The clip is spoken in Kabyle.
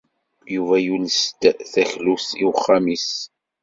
Yuba yules-d taklut i uxxam-nnes.